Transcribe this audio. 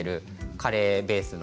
カレーベースの。